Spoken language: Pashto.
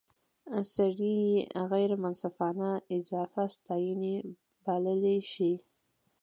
سړی یې غیر منصفانه اضافه ستانۍ بللای شي.